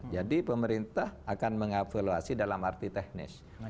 jadi pemerintah akan mengevaluasi dalam arti teknis